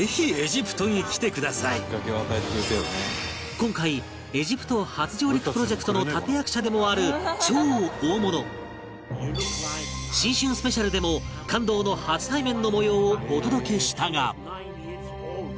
今回エジプト初上陸プロジェクトの立役者でもある超大物新春スペシャルでも感動の初対面の模様をお届けしたが